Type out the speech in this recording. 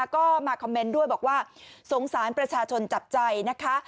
ก็มาคอมเมนต์ด้วยบอกว่าสงสารประชาชนจับใจนะคะ